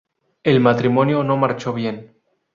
El matrimonio no marchó bien.